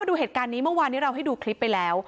วันนี้เราให้ดูคลิปไปแล้ว